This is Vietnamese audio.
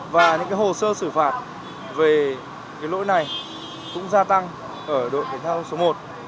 và những hồ sơ xử phạt về lỗi này cũng gia tăng ở đội thể thao số một